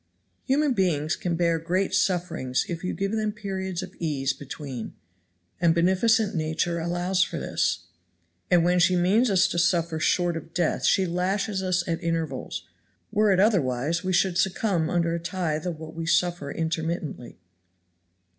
Human beings can bear great sufferings if you give them periods of ease between; and beneficent nature allows for this, and when she means us to suffer short of death she lashes us at intervals; were it otherwise we should succumb under a tithe of what we suffer intermittently.